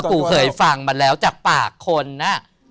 กูเคยฟังมาแล้วจากปากคนน่ะ